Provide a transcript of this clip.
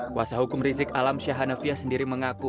kuasa hukum rizik alam syahanavia sendiri mengaku